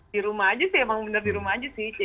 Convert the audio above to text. di rumah aja sih emang bener di rumah aja sih